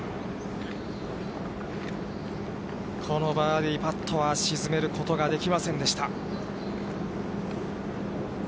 このバーディーパットは沈めることができませんでした。